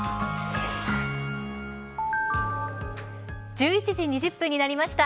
１１時２０分になりました。